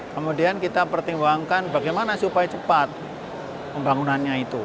kemudian kita pertimbangkan bagaimana supaya cepat pembangunannya itu